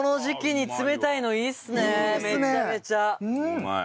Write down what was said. うまい！